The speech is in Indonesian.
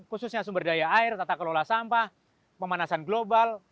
khususnya sumber daya air tata kelola sampah pemanasan global